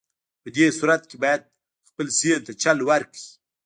په دې صورت کې بايد خپل ذهن ته چل ورکړئ.